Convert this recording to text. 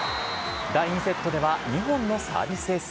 第２セットでは２本のサービスエース。